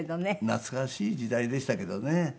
懐かしい時代でしたけどね。